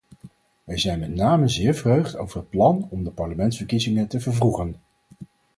Wij zijn met name zeer verheugd over het plan om de parlementsverkiezingen te vervroegen.